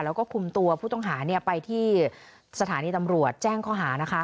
แล้วก็คุมตัวผู้ต้องหาไปที่สถานีตำรวจแจ้งข้อหานะคะ